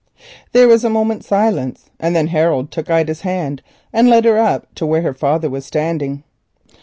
There was a moment's silence, then Harold took Ida's hand and led her up to where her father was standing.